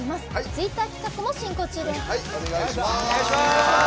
ツイッター企画も進行中です。